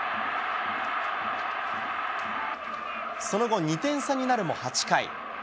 その後、２点差になるも８回。